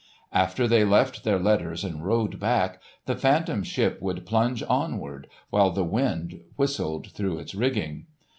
After they left their letters and rowed back, the Phantom Ship would plunge onward, while the wind whistled through its rigging.